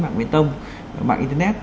mạng nguyên tông mạng internet